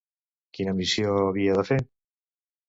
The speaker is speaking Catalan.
Quina missió havia de fer?